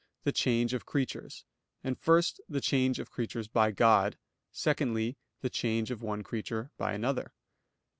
the change of creatures; and first, the change of creatures by God; secondly, the change of one creature by another.